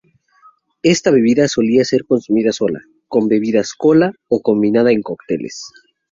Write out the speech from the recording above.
Esta bebida solía ser consumida sola, con bebidas cola o combinada en cócteles.